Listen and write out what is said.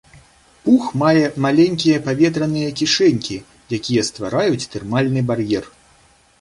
Пух мае маленькія паветраныя кішэнькі, якія ствараюць тэрмальны бар'ер.